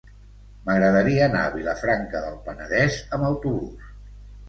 M'agradaria anar a Vilafranca del Penedès amb autobús.